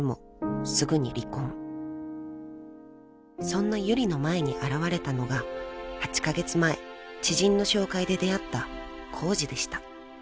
［そんなユリの前に現れたのが８カ月前知人の紹介で出会ったコウジでした］